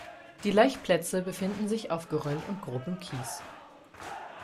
Die Laichplätze befinden sich auf Geröll und grobem Kies.